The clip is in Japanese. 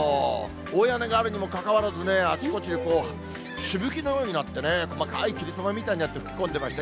大屋根があるにもかかわらずね、あちこちでしぶきのようになってね、細かい霧雨みたいになって、吹き込んでました。